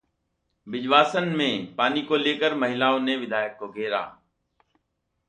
बिजवासन में पानी को लेकर महिलाओं ने विधायक को घेरा